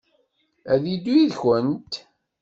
Ad yeddu yid-kent?